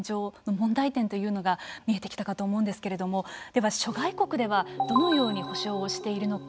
問題点というのが見えてきたかと思うんですけれどもでは、諸外国ではどのように補償をしているのか。